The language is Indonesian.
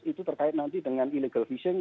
itu terkait nanti dengan illegal fishing